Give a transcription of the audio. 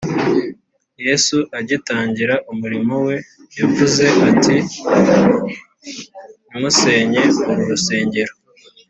yesu agitangira umurimo we yaravuze ati, “nimusenye uru rusengero